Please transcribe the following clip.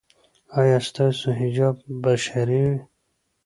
ایا ستاسو حجاب به شرعي وي؟